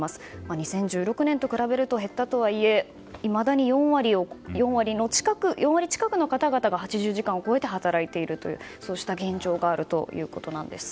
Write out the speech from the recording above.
２０１６年と比べると減ったとはいえいまだに４割近くの方々が８０時間を超えて働いているというそうした現状があるということです。